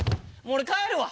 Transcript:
俺帰るわ！